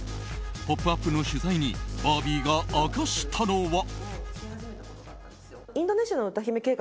「ポップＵＰ！」の取材にバービーが明かしたのは。